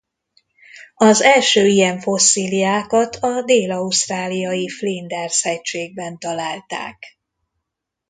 Az első ilyen fosszíliákat a dél-ausztráliai Flinders hegységben találták.